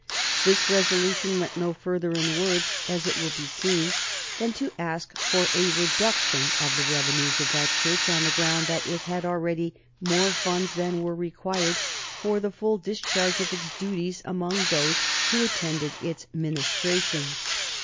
This resolution went no further in words, as it will be seen, than to ask for a reduction of the revenues of that Church on the ground that it had already more funds than were required for the full discharge of its duties among those who attended its ministrations.